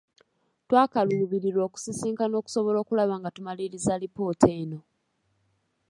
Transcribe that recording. Twakaluubirirwa okusisinkana okusobola okulaba nga tumaliriza alipoota eno.